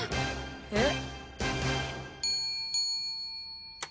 えっ？